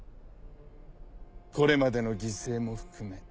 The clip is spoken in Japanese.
これまでの犠牲も含め